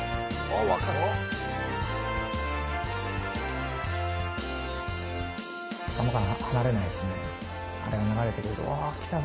あれが流れてくると。